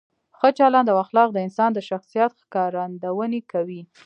ښه چلند او اخلاق د انسان د شخصیت ښکارندویي کوي.